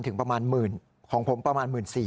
๙๐๐๐ถึงประมาณหมื่นของผมประมาณหมื่นสี่